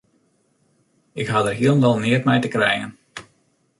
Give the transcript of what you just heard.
Ik ha dêr hielendal neat mei te krijen.